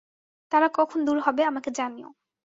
তারা কখন দূর হবে আমাকে জানিও।